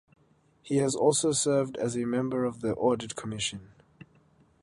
He has also served as a member of the Audit Commission.